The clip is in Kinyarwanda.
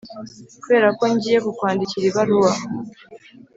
kuberako ngiye kukwandikira ibaruwa,